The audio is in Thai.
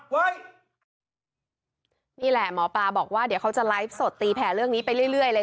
นี่แหละหมอปลาบอกว่าเดี๋ยวเขาจะไลฟ์สดตีแผ่เรื่องนี้ไปเรื่อยเลย